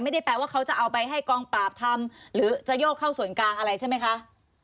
ไม่ได้แปลว่าเขาจะเอาไปให้กองปราบทำหรือจะโยกเข้าส่วนกลางอะไรใช่ไหมคะ